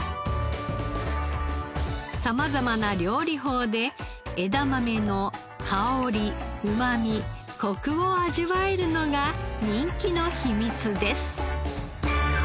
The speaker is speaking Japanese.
様々な料理法で枝豆の香りうまみコクを味わえるのが人気の秘密です。